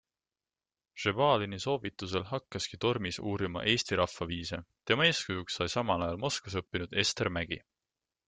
Šebalini soovitusel hakkaski Tormis uurima eesti rahvaviise, tema eeskujuks sai samal ajal Moskvas õppinud Ester Mägi.